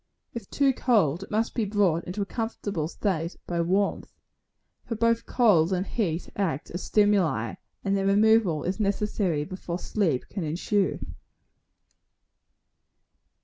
If too cold, it must be brought into a comfortable state by warmth. For both cold and heat act as stimuli, and their removal is necessary before sleep can ensue.